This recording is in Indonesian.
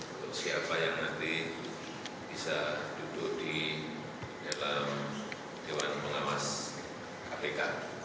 untuk siapa yang nanti bisa duduk di dalam dewan pengawas kpk